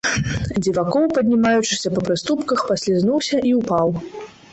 Дзівакоў, паднімаючыся па прыступках, паслізнуўся і ўпаў.